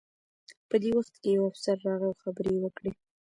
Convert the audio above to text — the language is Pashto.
په دې وخت کې یو افسر راغی او خبرې یې وکړې